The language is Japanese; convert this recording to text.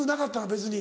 別に。